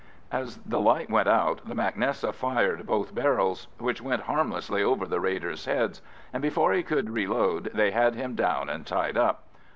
As the light went out the mac Nessa fired both barrels, which went harmlessly over the raiders' heads, and before he could reload they had him down and tied up.